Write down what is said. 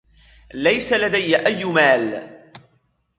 ليس لدي أي مال.